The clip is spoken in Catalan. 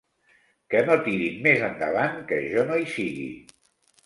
Que no tirin més endavant que jo no hi sigui!